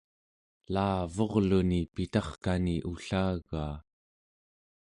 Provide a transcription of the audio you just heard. elavurluni pitarkani ullagaa